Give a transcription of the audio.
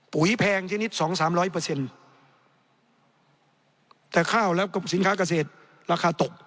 แพงชนิดสองสามร้อยเปอร์เซ็นต์แต่ข้าวแล้วก็สินค้าเกษตรราคาตก